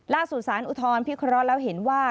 ล่าสู่ศาลอุทธรพิธรรมแล้วเห็นว่า